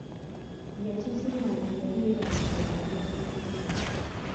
Yakizuula nti yali yeerabbidde omukuufu gwe!